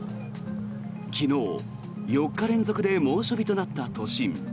昨日、４日連続で猛暑日となった都心。